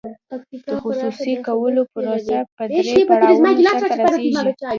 د خصوصي کولو پروسه په درې پړاوونو سر ته رسیږي.